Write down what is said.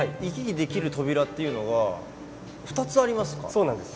そうなんです。